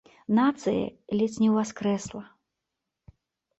Нацыя ледзь не ўваскрэсла.